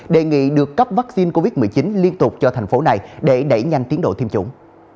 đề nghị được cấp vaccine covid một mươi chín liên tục cho thành phố này để đẩy nhanh tiến độ tiêm chủng